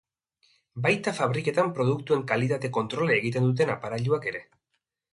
Baita fabriketan produktuen kalitate-kontrola egiten duten aparailuak ere.